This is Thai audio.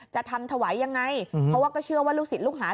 จะทำถวายยังไงเพราะว่าก็เชื่อว่าลูกศิษย์ลูกหา